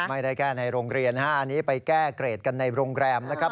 ไม่ได้แก้ในโรงเรียนอันนี้ไปแก้เกรดกันในโรงแรมนะครับ